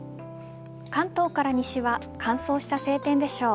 関東から西は乾燥した晴天でしょう。